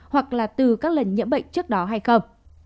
hoặc là từ các lần nhiễm bệnh trước đó hay không